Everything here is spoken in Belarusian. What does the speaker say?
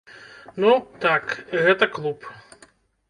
Ну, так, гэта клуб.